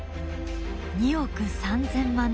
２億３０００万年前。